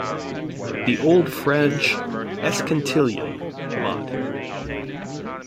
The Old French "escantillon", mod.